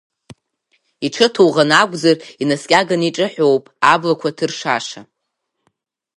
Иҽы ҭуӷан акәзар, инаскьаганы иҿаҳәоуп, аблақәа ҭыршаша.